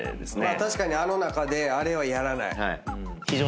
確かにあの中であれはやらない。